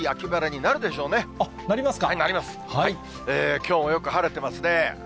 きょうもよく晴れてますね。